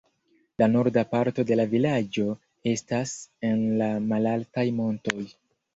La norda parto de la vilaĝo estas en la malaltaj montoj.